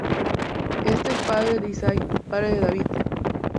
Este es padre de Isaí, padre de David.